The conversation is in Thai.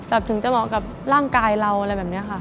ถึงจะเหมาะกับร่างกายเราอะไรแบบนี้ค่ะ